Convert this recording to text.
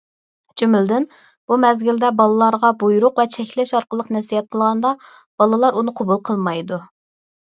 جۈملىدىن، بۇ مەزگىلدە بالىلارغا بۇيرۇق ۋە چەكلەش ئارقىلىق نەسىھەت قىلغاندا بالىلار ئۇنى قوبۇل قىلمايدۇ.